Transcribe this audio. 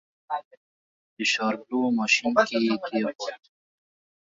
د شاربلو ماشين کې يې کېښود.